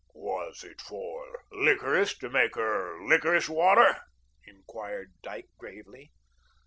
"Was it for licorice to make her licorice water?" inquired Dyke gravely.